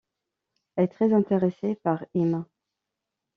Elle est très intéressée par Imm.